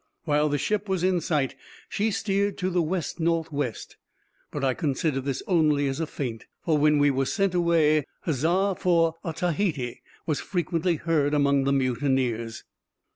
While the ship was in sight, she steered to the west north west; but I considered this only as a feint; for when we were sent away, "Huzza for Otaheite!" was frequently heard among the mutineers.